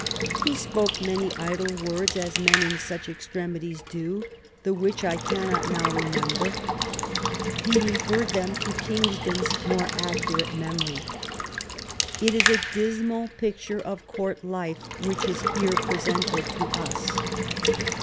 "He spoke many idle words, as men in such extremities do, the which I cannot now remember." He referred them to Kingston's more accurate memory. It is a dismal picture of Court life which is here presented to us.